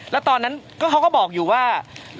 แล้วตอนนั้นเขาก็บอกอยู่ว่า